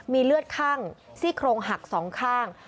มีเลือดคั่งซี่โครงหักสองข้าง